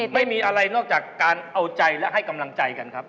ไม่มีอะไรนอกจากการเอาใจและให้กำลังใจกันครับ